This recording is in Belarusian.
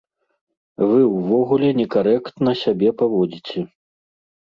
Вы ўвогуле некарэктна сябе паводзіце.